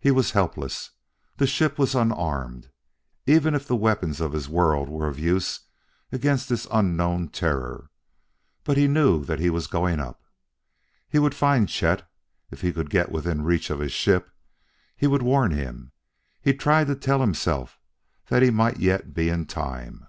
He was helpless; the ship was unarmed, even if the weapons of his world were of use against this unknown terror; but he knew that he was going up. He would find Chet if he could get within reach of his ship; he would warn him.... He tried to tell himself that he might yet be in time.